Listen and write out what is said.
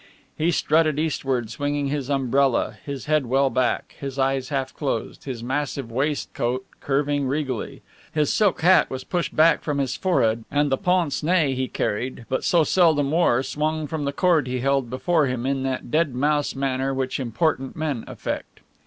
He strutted eastward swinging his umbrella, his head well back, his eyes half closed, his massive waistcoat curving regally. His silk hat was pushed back from his forehead and the pince nez he carried, but so seldom wore, swung from the cord he held before him in that dead mouse manner which important men affect.